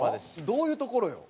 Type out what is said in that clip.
どういうところよ。